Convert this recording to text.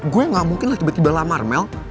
gue gak mungkin lah tiba tiba lamar mel